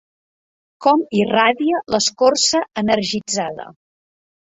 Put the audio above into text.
Com irradia l'escorça energitzada?